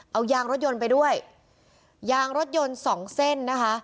เอายางรถยนต์ไปด้วยยางรถยนต์สองเส้นนะคะ